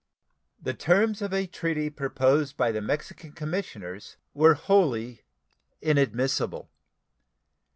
The terms of a treaty proposed by the Mexican commissioners were wholly inadmissible.